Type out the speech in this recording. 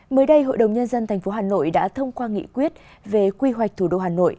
mới đây hội đồng nhân dân tp hà nội đã thông qua nghị quyết về quy hoạch thủ đô hà nội